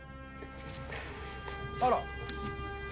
あら。